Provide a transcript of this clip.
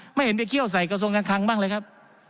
ไม่เห็นไปเคี่ยวใส่กระทรวงการคลังบ้างเลยครับ